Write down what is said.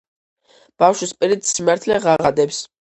ბავშვის პირით სიმართლე ღაღადებს